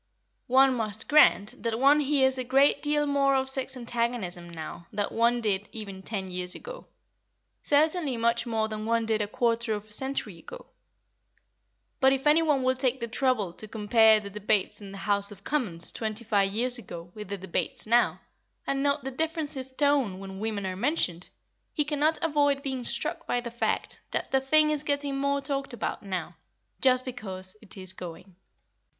One must grant that one hears a great deal more of sex antagonism now than one did even ten years ago; certainly much more than one did a quarter of a century ago. But if anyone will take the trouble to compare the debates in the House of Commons twenty five years ago with the debates now, and note the difference of tone when women are mentioned, he cannot avoid being struck by the fact that the thing is getting more talked about now, just because it is going.